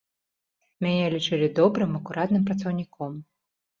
Мяне лічылі добрым, акуратным працаўніком.